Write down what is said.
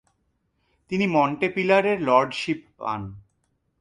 তিনি মন্টেপিলারের লর্ডশিপ পান।